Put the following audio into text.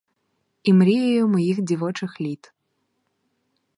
І мрією моїх дівочих літ!